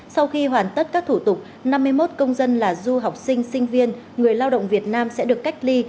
sau khi hoàn tất các thủ tục năm mươi một công dân là du học sinh sinh viên người lao động việt nam sẽ được cách ly